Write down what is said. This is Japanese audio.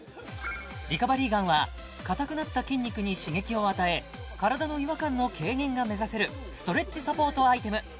リカバリーガンは硬くなった筋肉に刺激を与え体の違和感の軽減が目指せるストレッチサポートアイテム